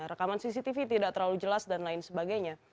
rekaman cctv tidak terlalu jelas dan lain sebagainya